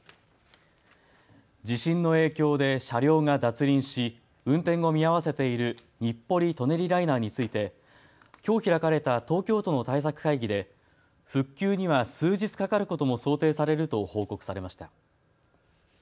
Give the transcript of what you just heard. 地震の影響で車両が脱輪し運転を見合わせている日暮里・舎人ライナーについてきょう開かれた東京都の対策会議で復旧には数日かかることも想定されると報告されました。